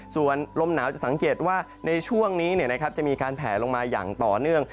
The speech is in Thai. ส่วนลมหนาวจะสังเกตว่าในช่วงนี้จะมีการแผลลงมาอย่างต่อเนื่อง